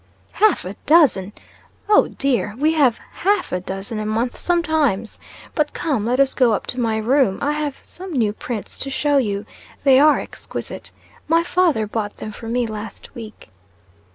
"Half a dozen! Oh, dear! We have half a dozen a month sometimes! But come, let us go up to my room; I have some new prints to show you. They are exquisite. My father bought them for me last week."